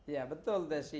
ya betul desy